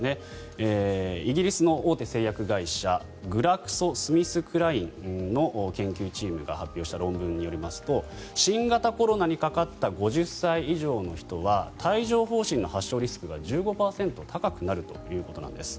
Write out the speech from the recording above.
イギリスの大手製薬会社グラクソ・スミスクラインの研究チームが発表した論文によりますと新型コロナにかかった５０歳以上の人は帯状疱疹の発症リスクが１５％高くなるということです。